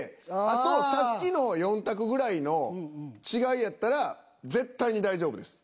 あとさっきの４択ぐらいの違いやったら絶対に大丈夫です。